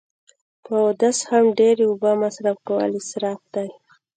په اودس هم ډیری اوبه مصرف کول اصراف دی